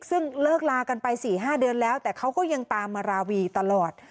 ซึ่งเลิกลากันไป๔๕เดือนแล้วแต่เขาก็ยังตามมาราวีตลอด